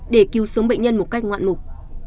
để cứu sống bệnh nhân một cách ngoạn mục